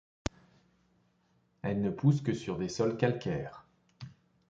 Elle ne pousse que sur des sols calcaires.